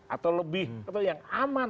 atau lebih atau yang aman